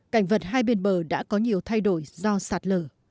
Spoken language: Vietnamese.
cảnh vật hai bên bờ đã có nhiều thay đổi do sạt lở